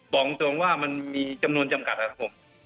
บอกตรงว่ามันมีจำนวนจำกัดครับผม